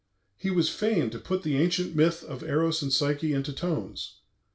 "He was fain to put the ancient myth of Eros and Psyche into tones.